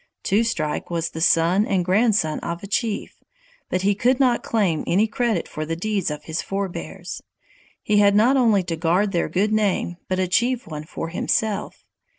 Two Strike was the son and grandson of a chief, but he could not claim any credit for the deeds of his forbears. He had not only to guard their good name but achieve one for himself.